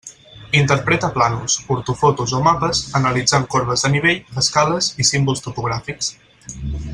Interpreta plànols, ortofotos o mapes, analitzant corbes de nivell, escales i símbols topogràfics.